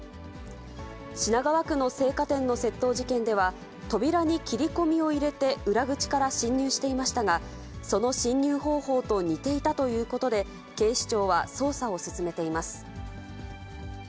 品川区の青果店の窃盗事件では、扉に切り込みを入れて裏口から侵入していましたが、その侵入方法と似ていたということで、警視庁は捜査を進めています。